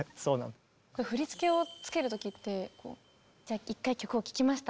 これ振り付けを付けるときってじゃあ一回曲を聴きました